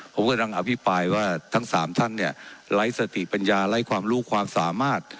ผมกำลังอภิปรายว่าทั้ง๓ท่านเนี่ยไร้สติปัญญาไร้ความรู้ความสามารถ